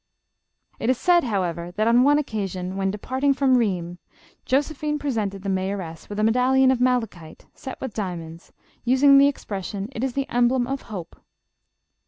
254 JOSEPHINE. It is said, however, that on one occasion " when de parting from Rheims, Josephine presented the mayo ress with a medallion of malachite, set with diamonds, using the expression, 'It is the emblem of hope.'